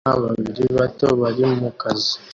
Abana babiri bato bari mu kazu